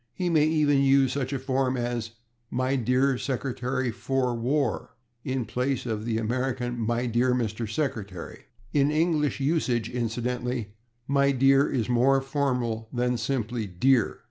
He may even use such a form as /My dear Secretary for War/ in place of the American /My dear Mr. Secretary/. In English usage, incidentally, /My dear/ is more formal than simply /Dear